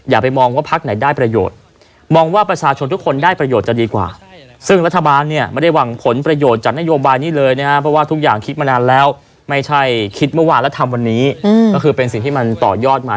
อย่าไปมองว่าภาคไหนได้ประโยชน์มองว่าประสาชนทุกคนได้ประโยชน์จะดีกว่า